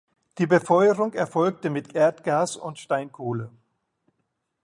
Die Befeuerung erfolgte mit Erdgas und Steinkohle.